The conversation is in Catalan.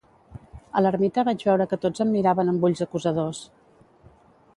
A l'ermita vaig veure que tots em miraven amb ulls acusadors.